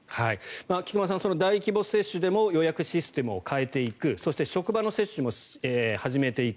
菊間さん、大規模接種でも予約システムを変えていくそして、職場の接種も始めていく。